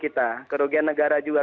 kita kerugian negara juga